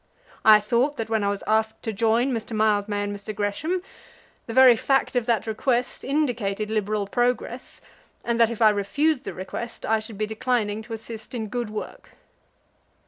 I thought that when I was asked to join Mr. Mildmay and Mr. Gresham, the very fact of that request indicated liberal progress, and that if I refused the request I should be declining to assist in good work."